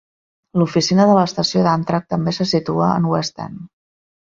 L'Oficina de l'Estació d'Amtrak també se situa en West End.